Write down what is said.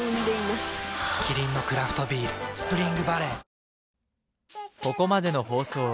キリンのクラフトビール「スプリングバレー」